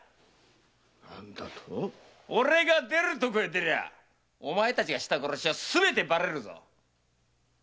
何だと⁉俺が出るとこへ出りゃお前たちがした殺しはすべてばれるんだ。